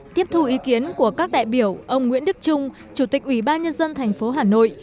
tiếp thu ý kiến của các đại biểu ông nguyễn đức trung chủ tịch ủy ban nhân dân thành phố hà nội